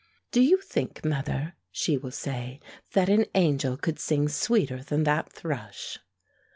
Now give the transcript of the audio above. "Do you think, mother," she will say, "that an angel could sing sweeter than that thrush?"